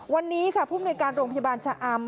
วันนี้ผู้มีการโรงพยาบาลชะอำ